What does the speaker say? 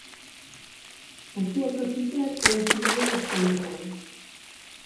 A súa capital é a cidade de Chiang Rai.